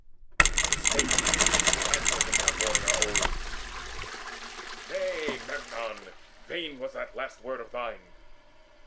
He spake, and answered him that warrior old: "Nay, Memnon, vain was that last word of thine.